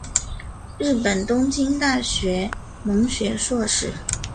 日本东京大学农学硕士。